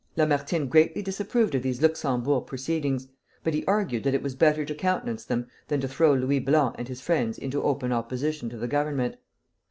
Lamartine greatly disapproved of these Luxembourg proceedings; but he argued that it was better to countenance them than to throw Louis Blanc and his friends into open opposition to the Government.